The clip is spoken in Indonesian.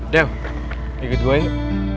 dewi ikut gua yuk